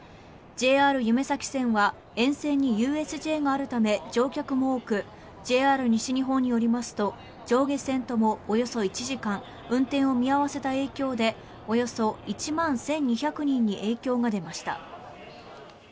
ＪＲゆめ咲線は延線にＵＳＪがあるため乗客も多くＪＲ西日本によりますと上下線ともおよそ１時間運転を見合わせた影響でおよそ１万１２００人に影響が出ました。